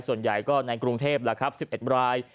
ส่วนใหญ่ก็ในกรุงเทพแล้วครับ๑๑ราย